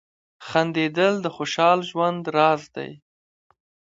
• خندېدل د خوشال ژوند راز دی.